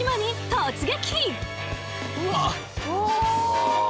「突撃！